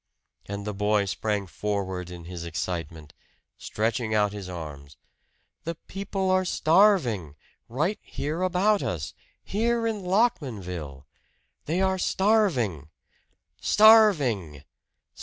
And the boy sprang forward in his excitement, stretching out his arms. "The people are starving! Right here about us here in Lockmanville! They are starving! starving!